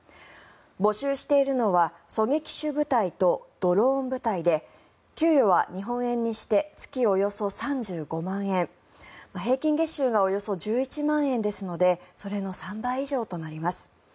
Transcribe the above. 募集しているのは狙撃手部隊とドローン部隊で給与は日本円にして月およそ３５万円平均月収がおよそ１１万円ですのでそれの３倍以上となります。